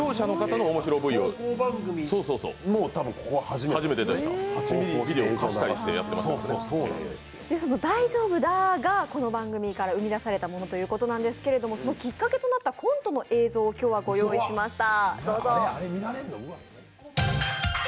投稿番組が「だいじょうぶだぁ」がこの番組から生み出されたということなんですけれどもそのきっかけとなったコントの映像を今日はご用意しました。